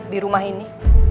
di rumah ini